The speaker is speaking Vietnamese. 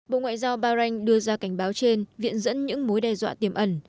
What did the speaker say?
bộ ngoại giao bahrain đưa ra cảnh báo trên viện dẫn những mối đe dọa tiềm ẩn